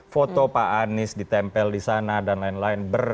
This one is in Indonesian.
foto pak anies ditempel disana dan lain lain